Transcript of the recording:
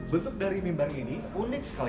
bentuk dari mimbar ini unik sekali